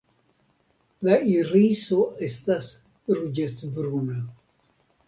La iriso estas ruĝecbruna.